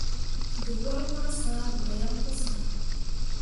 Dǝwor ma sãã gbo yaŋ pu sah.